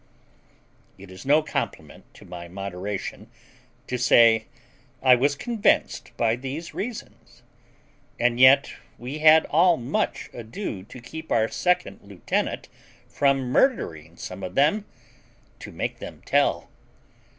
It is no compliment to my moderation to say I was convinced by these reasons; and yet we had all much ado to keep our second lieutenant from murdering some of them, to make them tell.